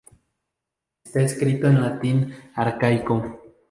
Está escrito en latín arcaico.